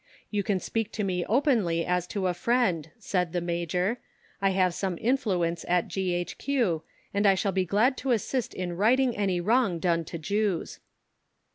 "You can speak to me openly as to a friend," said the Major. "I have some influence at G.H.Q., and I shall be glad to assist in righting any wrong done to Jews."